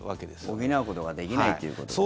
補うことができないっていうことですね。